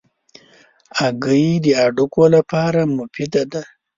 هګۍ د هډوکو لپاره مفید دي.